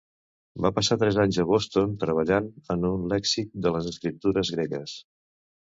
Va passar tres anys a Boston treballant en un lèxic de les escriptures gregues.